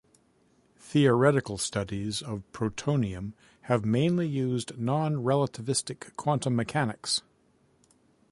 Theoretical studies of protonium have mainly used non-relativistic quantum mechanics.